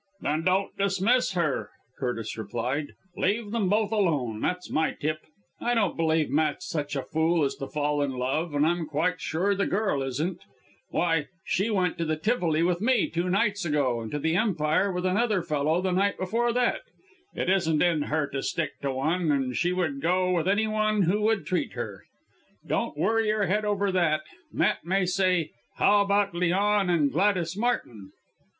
"Then don't dismiss her," Curtis replied. "Leave them both alone, that's my tip. I don't believe Matt's such a fool as to fall in love, and I'm quite sure the girl isn't. Why, she went to the Tivoli with me two nights ago, and to the Empire with another fellow the night before that. It isn't in her to stick to one, she would go with any one who would treat her. Don't worry your head over that. Matt might say 'How about Leon and Gladys Martin.'"